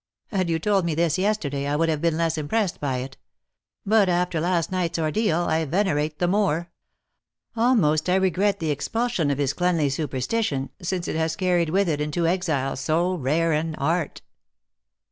Had you told me this yesterday I would have been less im pr^ssed by it. But, after last night s ordeal, I vene rate the Moor. Almost I regret the expulsion of his cleanly superstition, since it has carried with it into exile so rare an art."